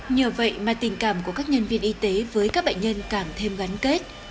nhờ vậy mà tình cảm của các nhân viên y tế với các bệnh nhân càng thêm gắn kết